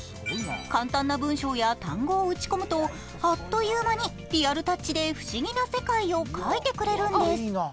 簡単な文章や単語を打ち込むとあっという間にリアルタッチで不思議な世界を描いてくれるんです。